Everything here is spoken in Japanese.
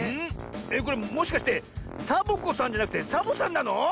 これもしかしてサボ子さんじゃなくてサボさんなの？